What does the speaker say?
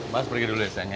mas pergi dulu ya sayang ya